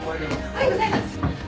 おはようございます。